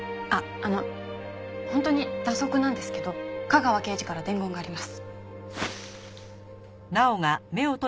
あの本当に蛇足なんですけど架川刑事から伝言があります。